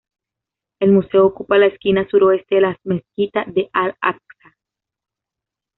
El museo ocupa la esquina suroeste de la mezquita de Al-Aqsa.